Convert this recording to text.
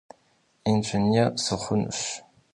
Инженер сыхъунущ.